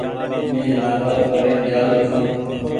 مين لآبآرو ڪرين جآرو ڇون۔